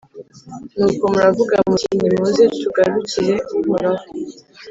Nuko muravuga muti «Nimuze tugarukire Uhoraho.